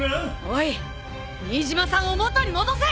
おい新島さんを元に戻せ！